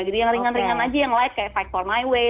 jadi yang ringan ringan aja yang light kayak fight for my way